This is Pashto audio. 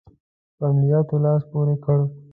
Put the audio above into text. په عملیاتو لاس پوري کړ.